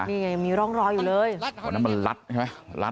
นี่ไงมีร่องรอยอยู่เลยเพราะนั้นมันลัดใช่ไหม